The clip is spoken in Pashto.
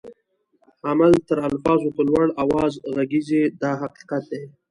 عمل تر الفاظو په لوړ آواز ږغيږي دا حقیقت دی.